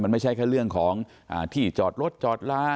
มันไม่ใช่แค่เรื่องของที่จอดรถจอดลา